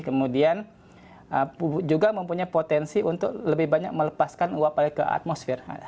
kemudian mempunyai potensi untuk melepaskan uap ke atmosfer